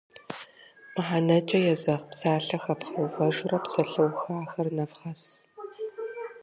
Мыхьэнэкӏэ езэгъ псалъэ хэвгъэувэжурэ псалъэухахэр нэвгъэсыж.